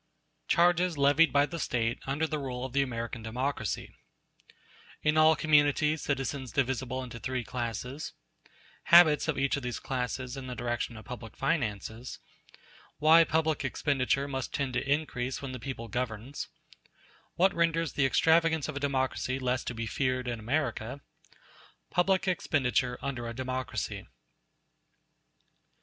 ] Charges Levied By The State Under The Rule Of The American Democracy In all communities citizens divisible into three classes—Habits of each of these classes in the direction of public finances—Why public expenditure must tend to increase when the people governs—What renders the extravagance of a democracy less to be feared in America—Public expenditure under a democracy.